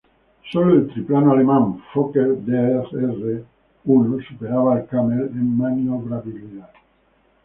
Sólo el triplano alemán Fokker Dr.I superaba al Camel en maniobrabilidad.